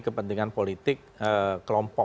ini kepentingan politik kelompok